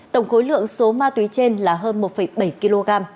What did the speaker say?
tổng khối lượng số ma túy trên là hơn một bảy kg